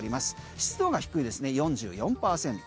湿度が低いですね、４４％。